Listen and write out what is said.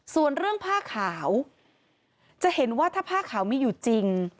ส่วนเรื่องผ้าขาวจะเห็นว่าถ้าผ้าขาวมีอยู่จริง